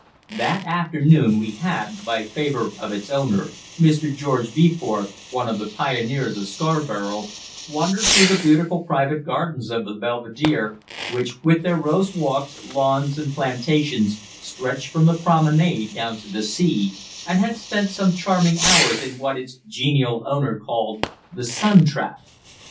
That afternoon we had, by favour of its owner, Mr. George Beeforth, one of the pioneers of Scarborough, wandered through the beautiful private gardens of the Belvedere, which, with their rose walks, lawns and plantations, stretched from the promenade down to the sea, and had spent some charming hours in what its genial owner called "the sun trap."